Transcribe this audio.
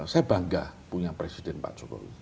saya bangga punya presiden pak jokowi